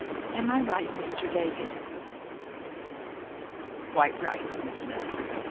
Am I right, Mr. David?" "Quite right, Miss Minna.